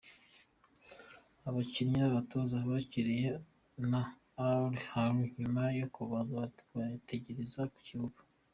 Abakinnyi n' abatoza bakiriwe na Al Ahly nyuma yo kubanza gutegereza ku kibuga.